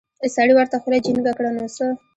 سړي ورته خوله جينګه کړه نو څه.